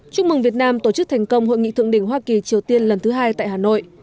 chúc mừng việt nam tổ chức thành công hội nghị thượng đỉnh hoa kỳ triều tiên lần thứ hai tại hà nội